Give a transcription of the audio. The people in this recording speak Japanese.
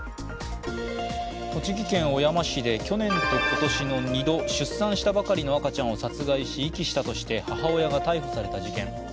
栃木県小山市で去年と今年の２度出産したばかりの赤ちゃんを殺害し遺棄したとして母親が逮捕された事件。